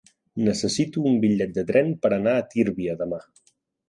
Necessito un bitllet de tren per anar a Tírvia demà.